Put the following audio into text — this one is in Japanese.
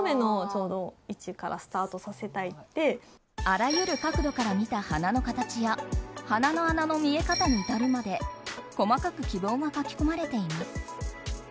あらゆる角度から見た鼻の形や鼻の穴の見え方に至るまで細かく希望が書き込まれています。